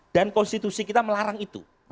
dan konstitusi kita melarang itu